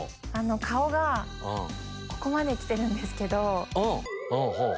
顔がここまで来てるんですけど。